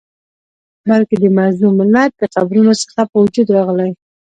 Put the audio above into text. بلکي د مظلوم ملت د قبرونو څخه په وجود راغلی